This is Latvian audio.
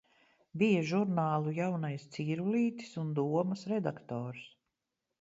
"Bija žurnālu "Jaunais Cīrulītis" un "Domas" redaktors."